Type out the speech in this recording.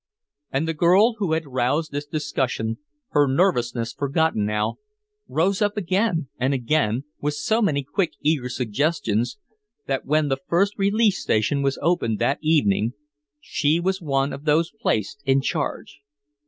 And the girl who had roused this discussion, her nervousness forgotten now, rose up again and again with so many quick, eager suggestions, that when the first relief station was opened that evening she was one of those placed in charge.